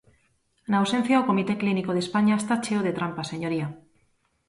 Na ausencia, o comité clínico de España está cheo de trampas, señoría.